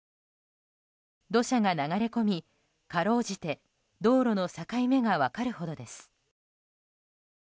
土砂が流れ込み、かろうじて道路の境目が分かるほどです。